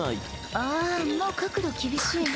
ああもう角度厳しい。